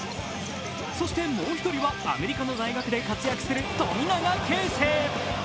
そしてもう１人はアメリカの大学で活躍する富永啓生。